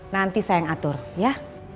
nanti saya yang atur ya